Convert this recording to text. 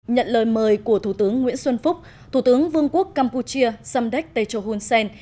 nhận lời mời của thủ tướng nguyễn xuân phúc thủ tướng vương quốc campuchia samdech techo hun sen